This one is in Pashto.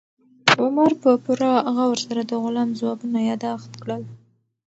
عمر په پوره غور سره د غلام ځوابونه یاداښت کړل.